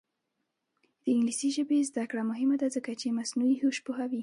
د انګلیسي ژبې زده کړه مهمه ده ځکه چې مصنوعي هوش پوهوي.